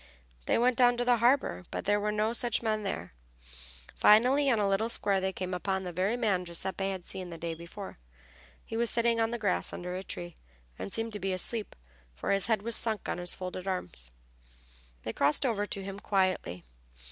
They went down to the harbor, but there were no such men there. Finally in a little square they came upon the very man Giuseppe had seen the day before. He was sitting on the grass under a tree, and seemed to be asleep, for his head was sunk on his folded arms. They crossed over to him quietly.